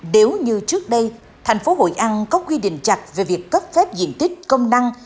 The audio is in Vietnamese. nếu như trước đây thành phố hội an có quy định chặt về việc cấp phép diện tích công năng